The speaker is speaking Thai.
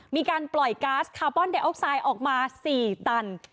มีการปล่อยก๊าซคาร์บอนไดออกไซด์ออกมา๔ตัน